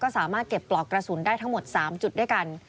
สามารถเก็บปลอกกระสุนได้ทั้งหมด๓จุดด้วยกัน